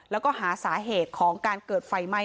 แล้วก็หาสาเหตุของการเกิดไฟไหม้